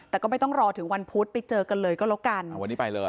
แต่ก็ไม่ต้องรอถึงวันพุธไปเจอกันเลยก็แล้วกัน